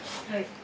はい。